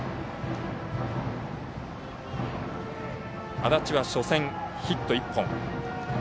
安達は初戦、ヒット１本。